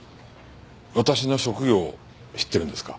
私の職業を知っているんですか？